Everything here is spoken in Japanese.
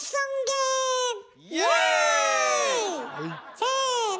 せの！